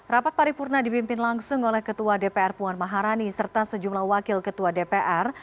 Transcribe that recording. rapat paripurna dipimpin langsung oleh ketua dpr puan maharani serta sejumlah wakil ketua dpr